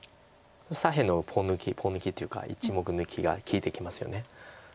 左辺のポン抜きポン抜きというか１目抜きが利いてきますよね